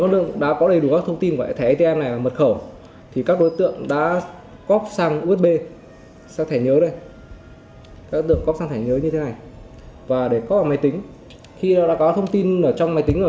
khi đã có thông tin trong máy tính các đối tượng sử dụng phần mềm trong máy tính này